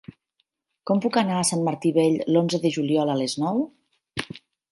Com puc anar a Sant Martí Vell l'onze de juliol a les nou?